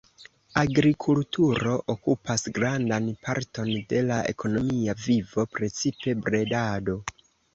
Agrikulturo okupas grandan parton de la ekonomia vivo, precipe bredado.